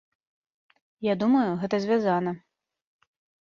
Я думаю, гэта звязана.